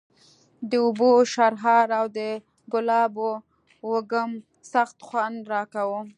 د اوبو شرهار او د ګلابو وږم سخت خوند راکاوه.